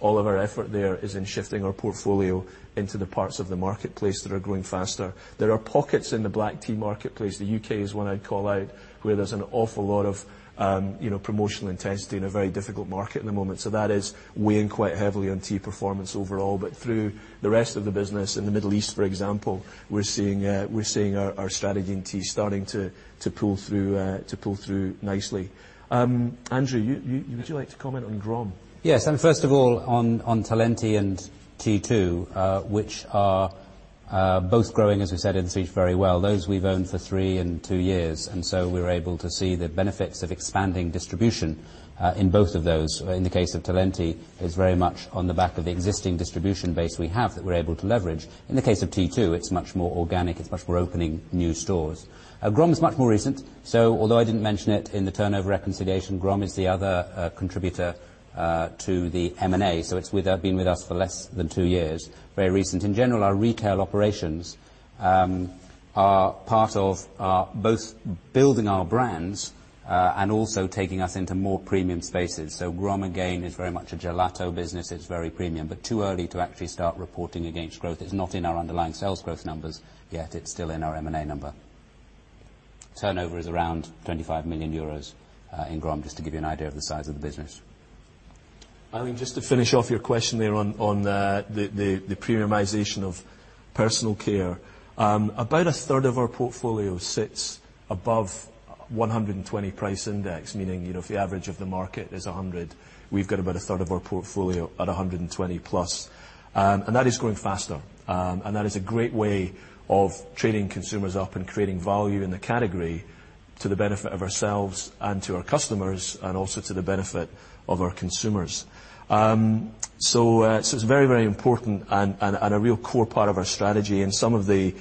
all of our effort there is in shifting our portfolio into the parts of the marketplace that are growing faster. There are pockets in the black tea marketplace, the U.K. is one I'd call out, where there's an awful lot of promotional intensity and a very difficult market at the moment. That is weighing quite heavily on tea performance overall. Through the rest of the business in the Middle East, for example, we're seeing our strategy in tea starting to pull through nicely. Andrew, would you like to comment on Grom? Yes, first of all, on Talenti and T2, which are both growing, as we said, in sweet very well. Those we've owned for three and two years, we're able to see the benefits of expanding distribution in both of those. In the case of Talenti, it's very much on the back of the existing distribution base we have that we're able to leverage. In the case of T2, it's much more organic, it's much more opening new stores. Grom is much more recent, although I didn't mention it in the turnover reconciliation, Grom is the other contributor to the M&A. It's been with us for less than two years. Very recent. In general, our retail operations are part of both building our brands and also taking us into more premium spaces. Grom, again, is very much a gelato business. Too early to actually start reporting against growth. It's not in our underlying sales growth numbers yet. It's still in our M&A number. Turnover is around 25 million euros in Grom, just to give you an idea of the size of the business. Eileen, just to finish off your question there on the premiumization of Personal Care. About a third of our portfolio sits above 120 price index, meaning if the average of the market is 100, we've got about a third of our portfolio at 120 plus. That is growing faster. That is a great way of training consumers up and creating value in the category to the benefit of ourselves and to our customers, and also to the benefit of our consumers. It's very, very important and a real core part of our strategy and some of the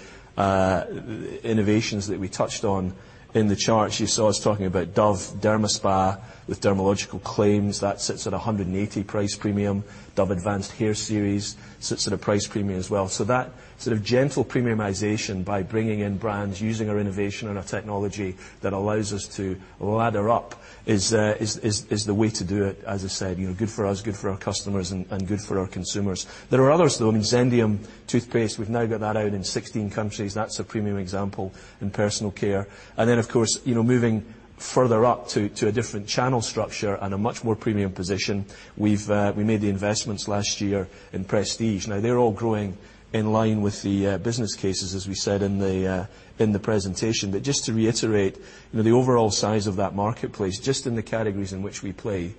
innovations that we touched on in the charts. You saw us talking about Dove DermaSpa with dermatological claims. That sits at 180 price premium. Dove Advanced Hair Series sits at a price premium as well. That sort of gentle premiumization by bringing in brands, using our innovation and our technology that allows us to ladder up is the way to do it. As I said, good for us, good for our customers, and good for our consumers. There are others, though. I mean, Zendium toothpaste, we've now got that out in 16 countries. That's a premium example in Personal Care. Then, of course, moving further up to a different channel structure and a much more premium position, we made the investments last year in prestige. Now they're all growing in line with the business cases, as we said in the presentation. Just to reiterate, the overall size of that marketplace, just in the categories in which we play,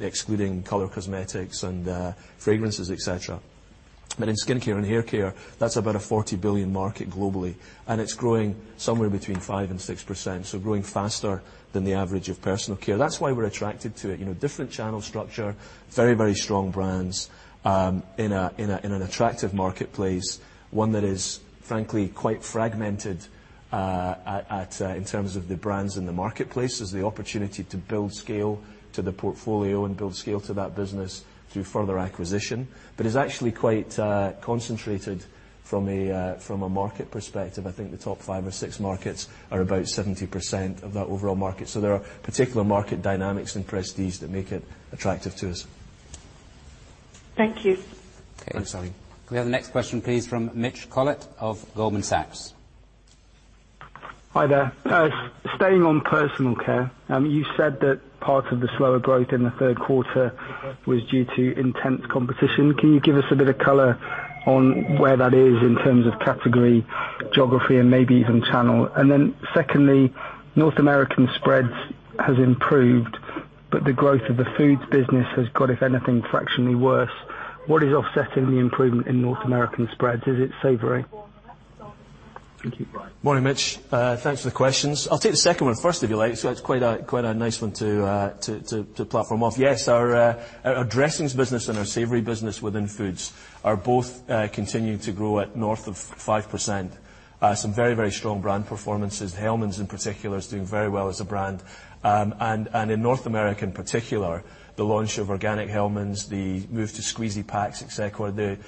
excluding color cosmetics and fragrances, et cetera. In skincare and haircare, that's about a 40 billion market globally, and it's growing somewhere between 5%-6%, growing faster than the average of Personal Care. That's why we're attracted to it. Different channel structure, very strong brands, in an attractive marketplace, one that is frankly quite fragmented in terms of the brands in the marketplace. There's the opportunity to build scale to the portfolio and build scale to that business through further acquisition. Is actually quite concentrated from a market perspective. I think the top five or six markets are about 70% of that overall market. There are particular market dynamics and prestiges that make it attractive to us. Thank you. Okay. I'm sorry. Can we have the next question, please, from Mitch Collett of Goldman Sachs? Hi there. Staying on personal care, you said that part of the slower growth in the third quarter was due to intense competition. Can you give us a bit of color on where that is in terms of category, geography, and maybe even channel? Secondly, North American spreads has improved, but the growth of the foods business has got, if anything, fractionally worse. What is offsetting the improvement in North American spreads? Is it savory? Thank you. Morning, Mitch. Thanks for the questions. I'll take the second one first, if you like. It's quite a nice one to platform off. Yes, our dressings business and our savory business within foods are both continuing to grow at north of 5%. Some very strong brand performances. Hellmann's in particular is doing very well as a brand. In North America in particular, the launch of organic Hellmann's, the move to squeezy packs, et cetera, the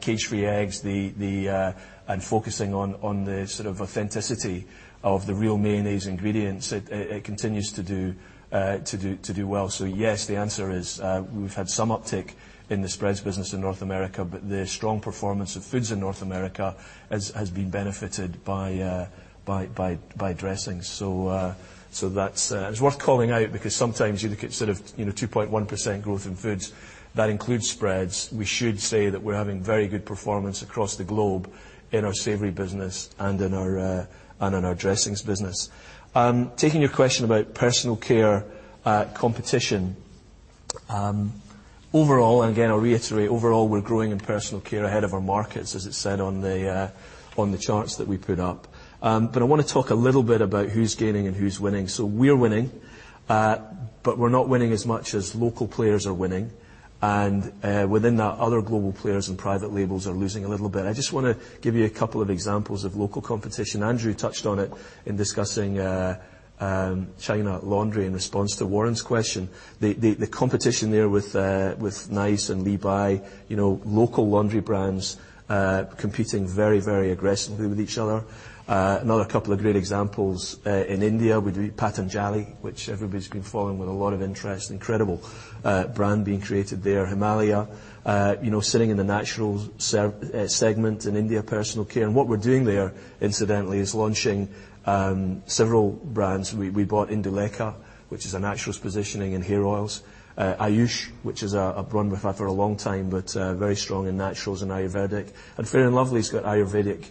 cage-free eggs, and focusing on the sort of authenticity of the real mayonnaise ingredients, it continues to do well. Yes, the answer is, we've had some uptick in the spreads business in North America, but the strong performance of foods in North America has been benefited by dressings. It's worth calling out because sometimes you look at sort of 2.1% growth in foods, that includes spreads. We should say that we're having very good performance across the globe in our savory business and in our dressings business. Taking your question about personal care competition. Overall, and again, I'll reiterate, overall, we're growing in personal care ahead of our markets, as it said on the charts that we put up. I want to talk a little bit about who's gaining and who's winning. We're winning, but we're not winning as much as local players are winning, and within that, other global players and private labels are losing a little bit. I just want to give you a couple of examples of local competition. Andrew touched on it in discussing China laundry in response to Warren's question. The competition there with Nice and Liby, local laundry brands competing very aggressively with each other. Another couple of great examples, in India, we do Patanjali, which everybody's been following with a lot of interest. Incredible brand being created there. Himalaya sitting in the natural segment in India personal care. What we're doing there, incidentally, is launching several brands. We bought Indulekha, which is a naturals positioning in hair oils. Ayush, which is a brand we've had for a long time, but very strong in naturals and Ayurvedic. Fair & Lovely's got Ayurvedic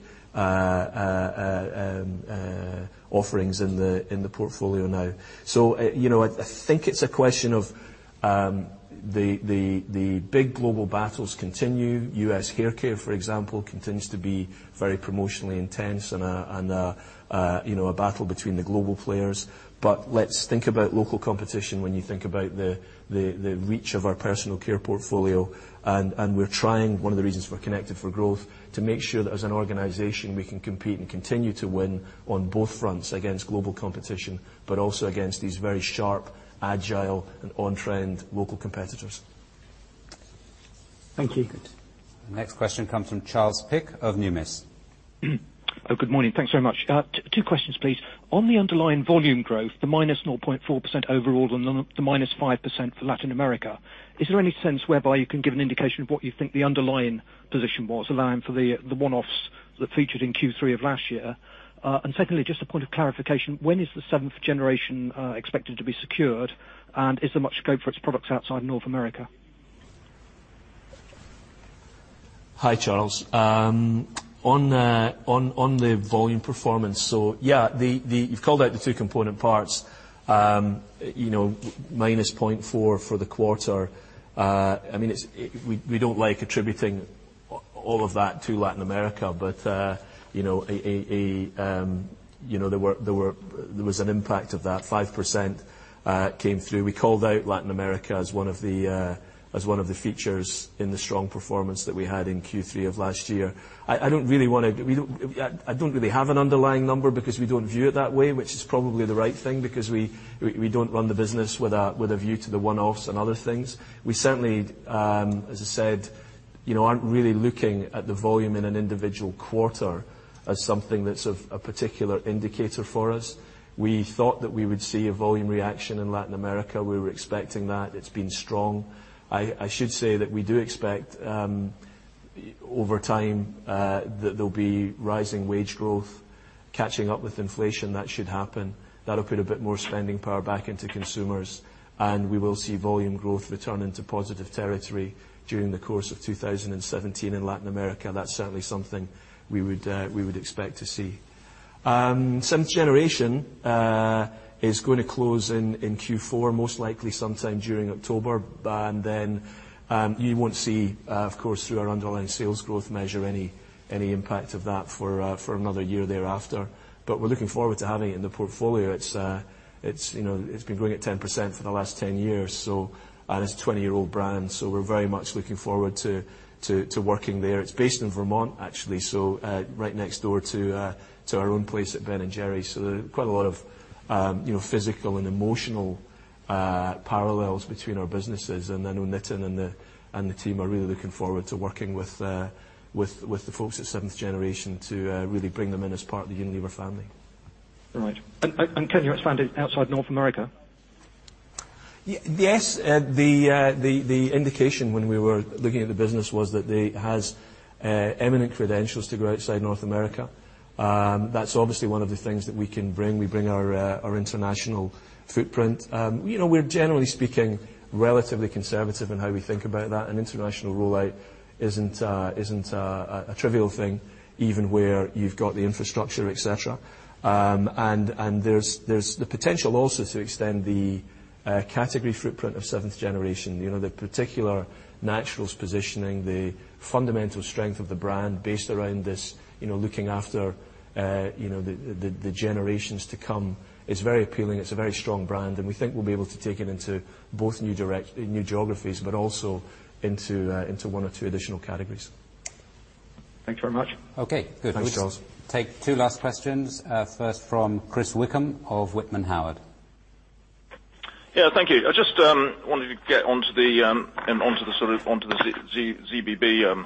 offerings in the portfolio now. I think it's a question of the big global battles continue. U.S. haircare, for example, continues to be very promotionally intense and a battle between the global players. Let's think about local competition when you think about the reach of our personal care portfolio, and we're trying, one of the reasons we're Connected 4 Growth, to make sure that as an organization, we can compete and continue to win on both fronts against global competition, but also against these very sharp, agile, and on-trend local competitors. Thank you. Good. The next question comes from Charles Pick of Numis. Good morning. Thanks very much. Two questions, please. On the underlying volume growth, the minus 0.4% overall and the minus 5% for Latin America, is there any sense whereby you can give an indication of what you think the underlying position was, allowing for the one-offs that featured in Q3 of last year? Secondly, just a point of clarification, when is the Seventh Generation expected to be secured, and is there much scope for its products outside North America? Hi, Charles. On the volume performance, yeah, you've called out the two component parts, minus 0.4% for the quarter. We don't like attributing all of that to Latin America, but there was an impact of that 5% came through. We called out Latin America as one of the features in the strong performance that we had in Q3 of last year. I don't really have an underlying number because we don't view it that way, which is probably the right thing because we don't run the business with a view to the one-offs and other things. We certainly, as I said, aren't really looking at the volume in an individual quarter as something that's of a particular indicator for us. We thought that we would see a volume reaction in Latin America. We were expecting that. It's been strong. I should say that we do expect, over time, that there'll be rising wage growth catching up with inflation. That should happen. That'll put a bit more spending power back into consumers. We will see volume growth returning to positive territory during the course of 2017 in Latin America. That's certainly something we would expect to see. Seventh Generation is going to close in Q4, most likely sometime during October. You won't see, of course, through our underlying sales growth measure, any impact of that for another year thereafter. We're looking forward to having it in the portfolio. It's been growing at 10% for the last 10 years, and it's a 20-year-old brand, so we're very much looking forward to working there. It's based in Vermont, actually, so right next door to our own place at Ben & Jerry's. There are quite a lot of physical and emotional parallels between our businesses. I know Nitin and the team are really looking forward to working with the folks at Seventh Generation to really bring them in as part of the Unilever family. Right. Can you expand it outside North America? Yes. The indication when we were looking at the business was that they have eminent credentials to go outside North America. That's obviously one of the things that we can bring. We bring our international footprint. We're, generally speaking, relatively conservative in how we think about that, and international rollout isn't a trivial thing, even where you've got the infrastructure, et cetera. There's the potential also to extend the category footprint of Seventh Generation. The particular naturals positioning, the fundamental strength of the brand based around this looking after the generations to come. It's very appealing. It's a very strong brand, and we think we'll be able to take it into both new geographies, but also into one or two additional categories. Thanks very much. Okay, good. Thanks, Charles. We'll take two last questions, first from Chris Wickham of Whitman Howard. Yeah, thank you. I just wanted to get onto the ZBB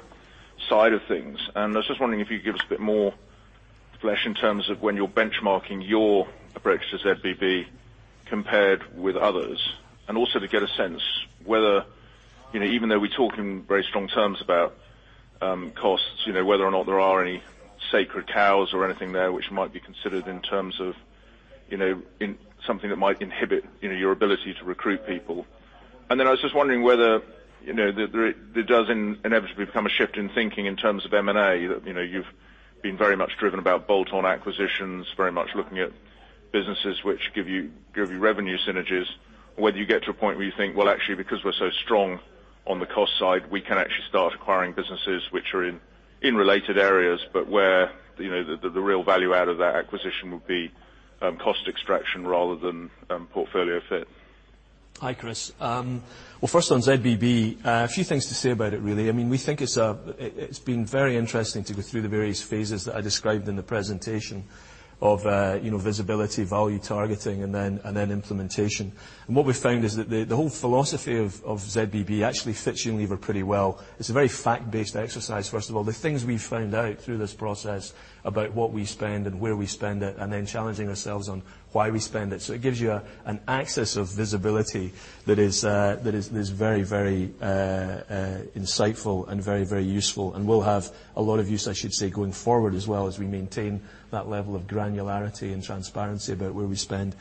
side of things. I was just wondering if you could give us a bit more flesh in terms of when you're benchmarking your approaches to ZBB compared with others. Also to get a sense whether, even though we talk in very strong terms about costs, whether or not there are any sacred cows or anything there which might be considered in terms of something that might inhibit your ability to recruit people. Then I was just wondering whether there does inevitably become a shift in thinking in terms of M&A, that you've been very much driven about bolt-on acquisitions, very much looking at businesses which give you revenue synergies. Whether you get to a point where you think, "Well, actually, because we're so strong on the cost side, we can actually start acquiring businesses which are in related areas, but where the real value out of that acquisition would be cost extraction rather than portfolio fit. Hi, Chris. First on ZBB, a few things to say about it, really. We think it's been very interesting to go through the various phases that I described in the presentation of visibility, value targeting, and then implementation. What we found is that the whole philosophy of ZBB actually fits Unilever pretty well. It's a very fact-based exercise. First of all, the things we found out through this process about what we spend and where we spend it, and then challenging ourselves on why we spend it. It gives you an axis of visibility that is very insightful and very useful and will have a lot of use, I should say, going forward as well as we maintain that level of granularity and transparency about where we spend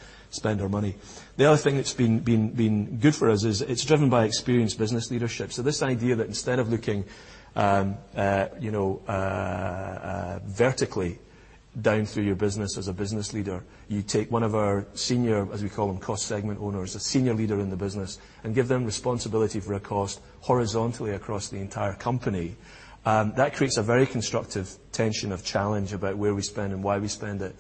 our money. The other thing that's been good for us is it's driven by experienced business leadership. This idea that instead of looking vertically down through your business as a business leader, you take one of our senior, as we call them, cost segment owners, a senior leader in the business, and give them responsibility for a cost horizontally across the entire company. That creates a very constructive tension of challenge about where we spend and why we spend it.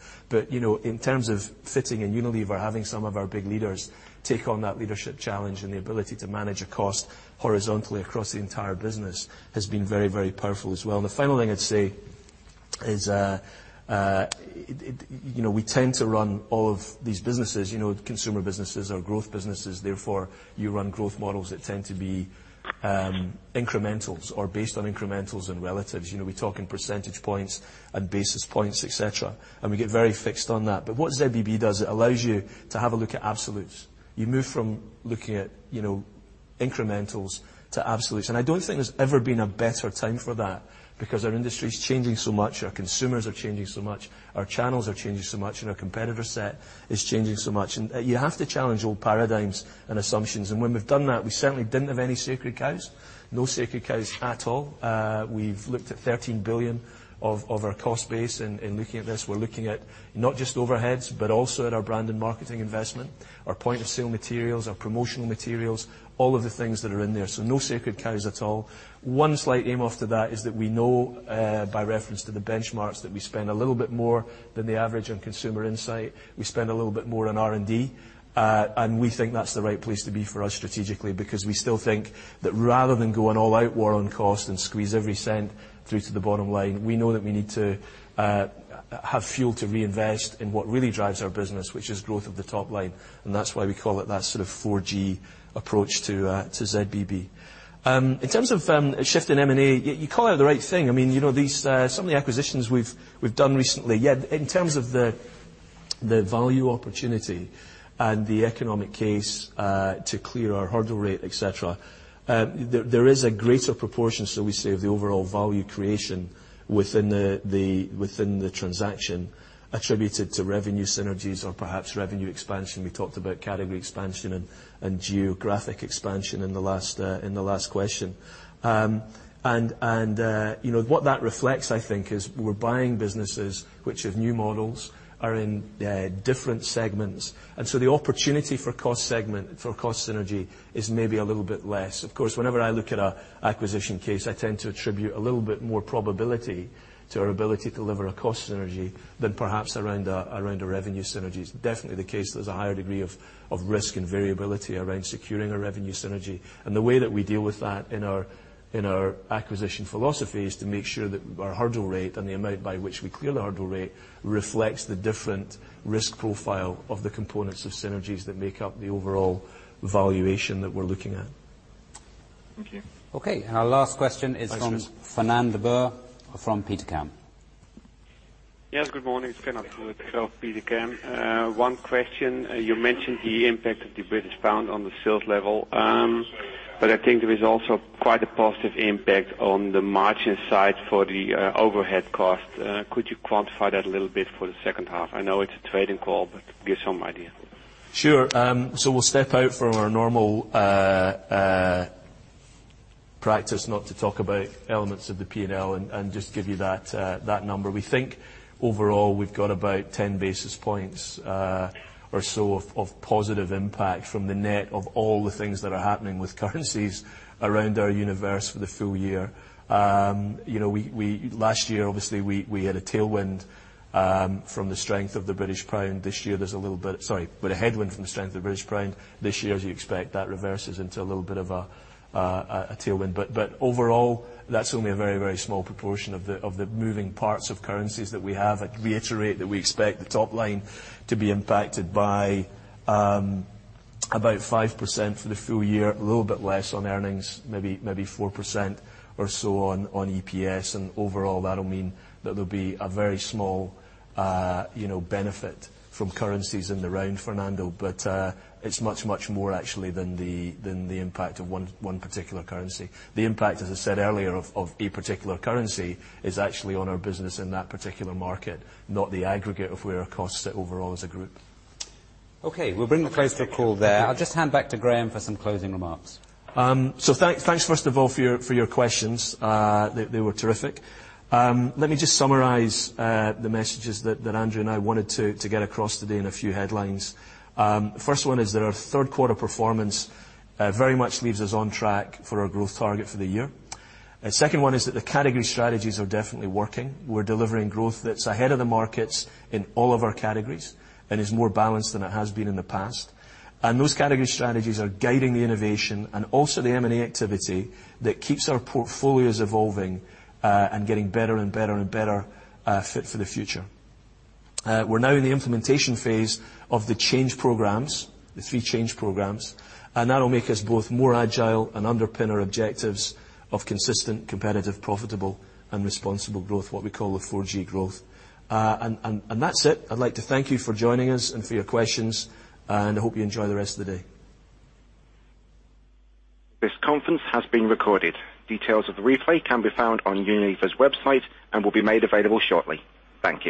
In terms of fitting in Unilever, having some of our big leaders take on that leadership challenge and the ability to manage a cost horizontally across the entire business has been very powerful as well. The final thing I'd say is we tend to run all of these businesses, consumer businesses are growth businesses, therefore you run growth models that tend to be incrementals or based on incrementals and relatives. We talk in percentage points and basis points, et cetera, and we get very fixed on that. What ZBB does, it allows you to have a look at absolutes. You move from looking at incrementals to absolutes. I don't think there's ever been a better time for that because our industry is changing so much, our consumers are changing so much, our channels are changing so much, and our competitor set is changing so much. You have to challenge old paradigms and assumptions. When we've done that, we certainly didn't have any sacred cows. No sacred cows at all. We've looked at 13 billion of our cost base in looking at this. We're looking at not just overheads, but also at our brand and marketing investment, our point-of-sale materials, our promotional materials, all of the things that are in there. No sacred cows at all. One slight aim off to that is that we know, by reference to the benchmarks, that we spend a little bit more than the average on consumer insight. We spend a little bit more on R&D, and we think that's the right place to be for us strategically, because we still think that rather than go an all-out war on cost and squeeze every EUR 0.01 through to the bottom line, we know that we need to have fuel to reinvest in what really drives our business, which is growth of the top line. That's why we call it that sort of 4G approach to ZBB. In terms of shift in M&A, you call out the right thing. Some of the acquisitions we've done recently, yeah, in terms of the value opportunity and the economic case to clear our hurdle rate, et cetera, there is a greater proportion, so we say, of the overall value creation within the transaction attributed to revenue synergies or perhaps revenue expansion. We talked about category expansion and geographic expansion in the last question. What that reflects, I think, is we're buying businesses which have new models, are in different segments. So the opportunity for cost synergy is maybe a little bit less. Of course, whenever I look at an acquisition case, I tend to attribute a little bit more probability to our ability to deliver a cost synergy than perhaps around a revenue synergy. It's definitely the case there's a higher degree of risk and variability around securing a revenue synergy. The way that we deal with that in our acquisition philosophy is to make sure that our hurdle rate and the amount by which we clear the hurdle rate reflects the different risk profile of the components of synergies that make up the overall valuation that we're looking at. Thank you. Okay, our last question is from. Thanks, Chris Fernand de Boer from Petercam. Yes, good morning. It's Fernand de Boer with Degroof Petercam. One question. I think there is also quite a positive impact on the margin side for the overhead cost. Could you quantify that a little bit for the second half? I know it's a trading call, but give some idea. Sure. We'll step out from our normal practice not to talk about elements of the P&L and just give you that number. We think overall we've got about 10 basis points or so of positive impact from the net of all the things that are happening with currencies around our universe for the full year. Last year, obviously, we had a tailwind from the strength of the British pound. Sorry, with a headwind from the strength of the British pound. This year, as you expect, that reverses into a little bit of a tailwind. Overall, that's only a very, very small proportion of the moving parts of currencies that we have. I'd reiterate that we expect the top line to be impacted by about 5% for the full year, a little bit less on earnings, maybe 4% or so on EPS, and overall that'll mean that there'll be a very small benefit from currencies in the round, Fernand. It's much, much more actually than the impact of one particular currency. The impact, as I said earlier, of a particular currency is actually on our business in that particular market, not the aggregate of where our costs sit overall as a group. We'll bring to a close to the call there. I'll just hand back to Graeme for some closing remarks. Thanks first of all for your questions. They were terrific. Let me just summarize the messages that Andrew and I wanted to get across today in a few headlines. First one is that our third quarter performance very much leaves us on track for our growth target for the year. Second one is that the category strategies are definitely working. We're delivering growth that's ahead of the markets in all of our categories and is more balanced than it has been in the past. Those category strategies are guiding the innovation and also the M&A activity that keeps our portfolios evolving, and getting better and better and better fit for the future. We're now in the implementation phase of the change programs, the three change programs, that'll make us both more agile and underpin our objectives of consistent, competitive, profitable, and responsible growth, what we call the 4G growth. That's it. I'd like to thank you for joining us and for your questions, I hope you enjoy the rest of the day. This conference has been recorded. Details of the replay can be found on Unilever's website and will be made available shortly. Thank you.